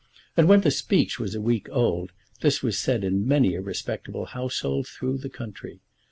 And when the speech was a week old this was said in many a respectable household through the country.